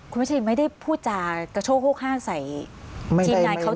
คุณวัชลินไม่ได้พูดจากกระโชคโฮกห้างใส่ทีมงานเขาจริงหรือคะ